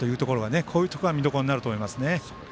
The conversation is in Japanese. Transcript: こういうところが見どころになると思いますね。